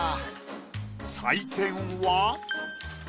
採点は。